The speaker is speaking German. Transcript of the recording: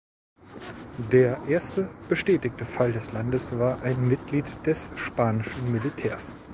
Der erste bestätigte Fall des Landes war ein Mitglied des spanischen Militärs.